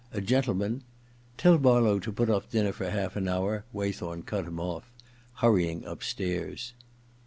A gendeman * Tell Barlow to put ofF dinner for half an hour,' Waythorn cut him off, hurrying upstairs.